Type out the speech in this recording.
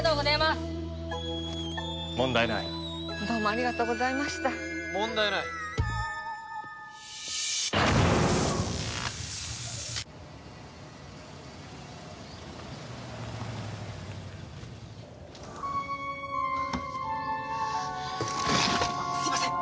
すいません。